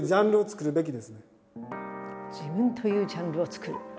「自分というジャンルを作る」。